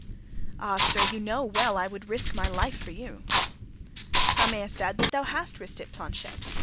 "Ah! sir, you know well I would risk my life for you." "Thou mayst add that thou hast risked it, Planchet.